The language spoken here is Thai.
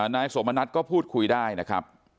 นายสมณัฐก็พูดคุยได้นะครับ